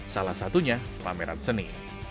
salah satunya pameran seni